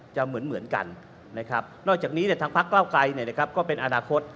จะเหมือนกันนะครับนอกจากนี้ทางพักเก้าไกรก็เป็นอนาคต